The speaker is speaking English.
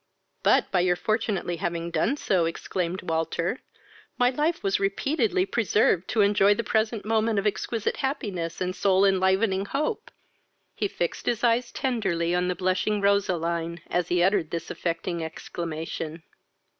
"But, by your fortunately having done so, (exclaimed Walter,) my life was repeatedly preserved to enjoy the present moment of exquisite happiness and soul enlivening hope." He fixed his eyes tenderly on the blushing Roseline, as he uttered this affecting exclamation.